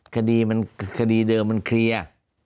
คดีเดิมมันเคลียร์